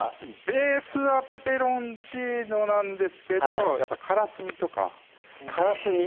ベースはペペロンチーノなんですけどカラスミとかカラスミ？